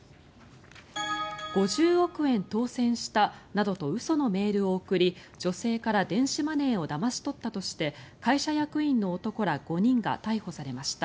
５０億円当選したなどと嘘のメールを送り女性から電子マネーをだまし取ったとして会社役員の男ら５人が逮捕されました。